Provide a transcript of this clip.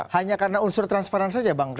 hanya karena unsur transparan saja bang